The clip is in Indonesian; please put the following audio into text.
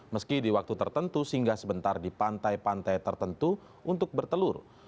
meski di waktu tertentu singgah sebentar di pantai pantai tertentu untuk bertelur